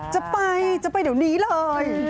จะไปจะไปเดี๋ยวนี้เลย